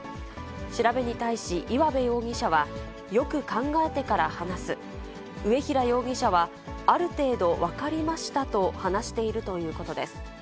調べに対し、岩部容疑者はよく考えてから話す、上平容疑者はある程度分かりましたと話しているということです。